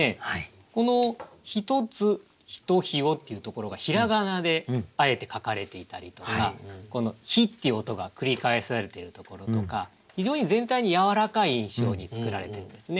この「ひとつひとひを」っていうところが平仮名であえて書かれていたりとかこの「ひ」っていう音が繰り返されているところとか非常に全体にやわらかい印象に作られてるんですね。